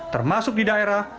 termasuk di daerah